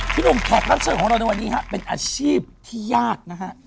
หนุ่มแขกรับเชิญของเราในวันนี้ฮะเป็นอาชีพที่ยากนะฮะ